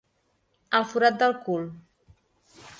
El forat del cul.